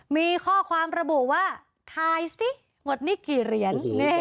มีข้อความระบุว่าถ่ายสิวันนี้กี่เหรียญ